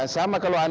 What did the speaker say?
sama kalau anggaran